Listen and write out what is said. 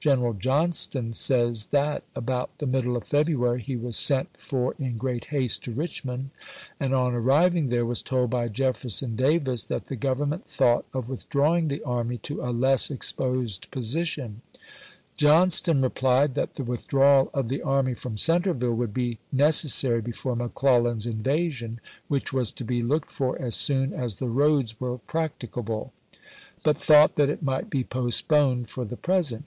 General Johnston says that about the middle of February he was sent for in great haste to Eichmond, and on arriving there was told by Jefferson Davis that the Government Johnston, thought of withdrawing the army to " a less exposed of^Stary position." Johnston replied that the withdrawal of tioSK 'ge. the army from Centreville would be necessary be fore McClellan's invasion, — which was to be looked for as soon as the roads were practicable, — but thought that it might be postponed for the present.